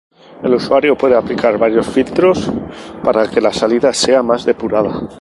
El usuario puede aplicar varios filtros para que la salida sea más depurada.